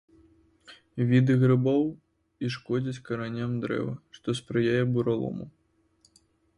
Віды грыбоў і шкодзяць караням дрэва, што спрыяе буралому.